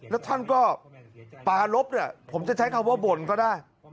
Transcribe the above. แล้วท่านก็ปาลบเนี่ยผมจะใช้คำว่าบ่นก็ได้